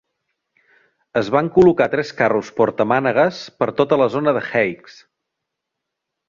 Es van col·locar tres carros portamànegues per tota la zona de Heights.